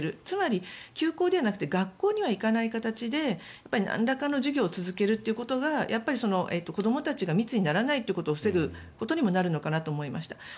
つまり、休校ではなくて学校には行かない形でなんらかの授業を続けることが子どもたちが密にならないことを防ぐことにもなるのかなと思いました。